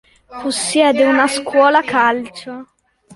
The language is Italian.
Possiede una scuola calcio.